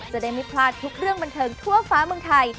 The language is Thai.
จะได้ไม่พลาดทุกเรื่องบันเทิงทั่วฟ้าเมืองไทย